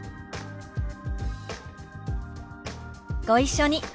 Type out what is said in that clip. ご一緒に。